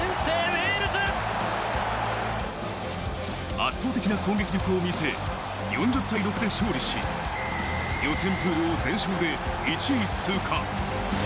圧倒的な攻撃力を見せ、４０対６で勝利し、予選プールを全勝で１位通過。